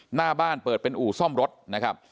หน้าบ้านเปิดเป็นอู่ซ่อมรถนะครับ